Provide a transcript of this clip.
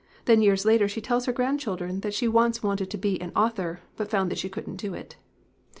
Then years later she tells her grandchildren that she once wanted to be an author, but found that she couldn't do it.